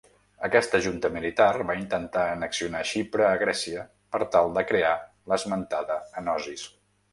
Aquesta junta militar va intentar annexionar Xipre a Grècia per tal de crear l'esmentada enosis.